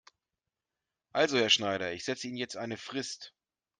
Also Herr Schneider, ich setze Ihnen jetzt eine Frist.